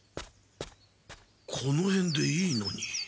このへんでいいのに。